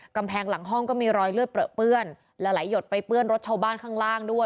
กำแพงหลังห้องก็มีรอยเลือดเปลือเปื้อนและไหลหยดไปเปื้อนรถชาวบ้านข้างล่างด้วย